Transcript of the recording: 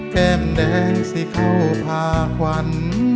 แก้มแดงสิเข้าพาขวัญ